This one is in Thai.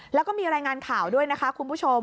แล้วก็มีรายงานข่าวด้วยนะคะคุณผู้ชม